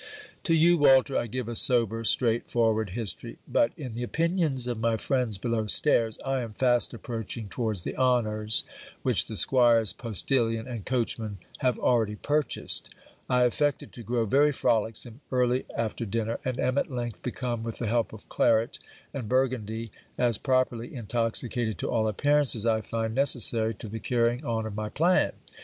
To you, Walter, I give a sober straight forward history; but, in the opinions of my friends below stairs, I am fast approaching towards the honours which the squire's postilion and coachman have already purchased. I affected to grow very frolicksome, early after dinner; and am, at length, become, with the help of claret and burgundy, as properly intoxicated to all appearance as I find necessary to the carrying on of my plan.